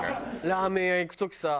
ラーメン屋行く時さ